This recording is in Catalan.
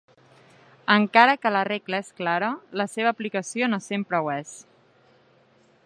Encara que la regla és clara, la seva aplicació no sempre ho és.